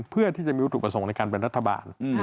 เพื่อที่จะมีวัตถุประสงค์ในการเป็นรัฐบาล